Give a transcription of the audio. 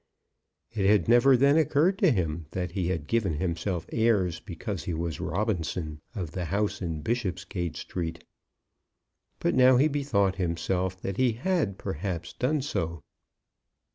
It had never then occurred to him that he had given himself airs because he was Robinson, of the house in Bishopsgate Street; but now he bethought himself that he had perhaps done so.